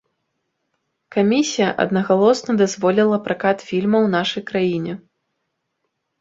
Камісія аднагалосна дазволіла пракат фільма ў нашай краіне.